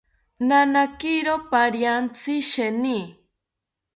Nanakiro pariantzi sheeni